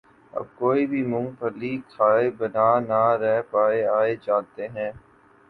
اب کوئی بھی مونگ پھلی کھائے بنا نہ رہ پائے آئیے جانتے ہیں